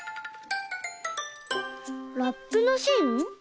ラップのしん？